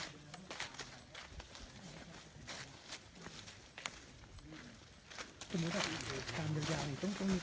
ตอนเดินนะคะชุดลักษณ์สุดยอดมาก